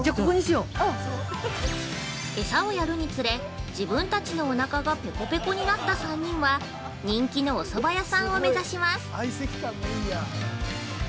◆エサをやるにつれ、自分たちのおなかがペコペコになった３人は、人気のおそば屋さんを目指します。